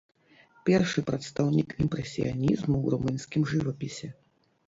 Першы прадстаўнік імпрэсіянізму ў румынскім жывапісе.